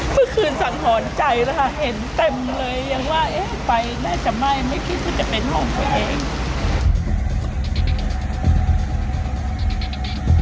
เมื่อคืนสั่งหอนใจนะคะเห็นเต็มเลยยังว่าเอ๊ะไปแม่จะไหม้ไม่คิดว่าจะเป็นของตัวเอง